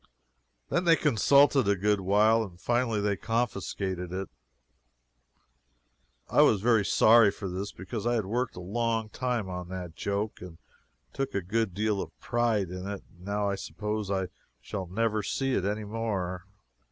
Then they consulted a good while; and finally they confiscated it. I was very sorry for this, because I had worked a long time on that joke, and took a good deal of pride in it, and now I suppose I shall never see it any more.